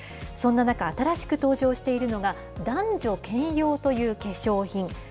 そんな中、新しく登場しているのが、男女兼用という化粧品。